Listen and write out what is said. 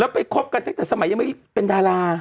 ไปคบกันตั้งแต่สมัยยังไม่เป็นดารา